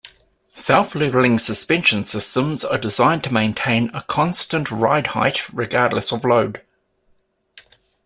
Self-leveling suspension systems are designed to maintain a constant ride height regardless of load.